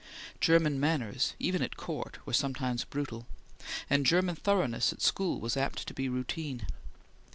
German manners, even at Court, were sometimes brutal, and German thoroughness at school was apt to be routine.